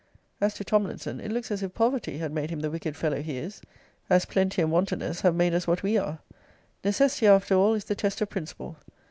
As to Tomlinson, it looks as if poverty had made him the wicked fellow he is; as plenty and wantonness have made us what we are. Necessity, after all, is the test of principle.